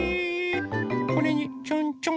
これにちょんちょん。